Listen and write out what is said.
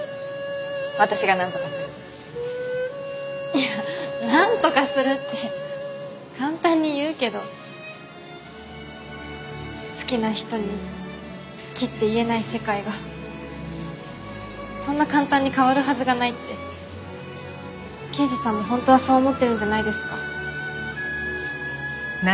いやなんとかするって簡単に言うけど好きな人に好きって言えない世界がそんな簡単に変わるはずがないって刑事さんも本当はそう思ってるんじゃないですか？